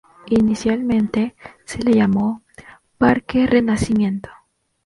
Inicialmente se la llamó Parque Renacimiento.